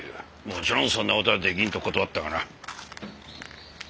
もちろんそんな事はできんと断ったがな。